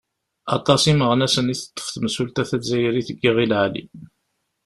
Aṭas imeɣnasen i teṭṭef temsulta tazzayrit deg Iɣil Ɛli.